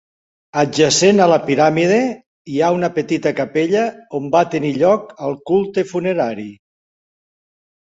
Adjacent a la piràmide hi ha una petita capella on va tenir lloc el culte funerari.